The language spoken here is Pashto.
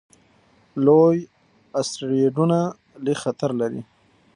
لوی اسټروېډونه لږ خطر لري.